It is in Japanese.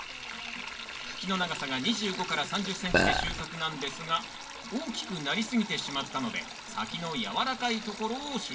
茎の長さが２５３０ｃｍで収穫なんですが大きくなりすぎてしまったので先の軟らかいところを収穫します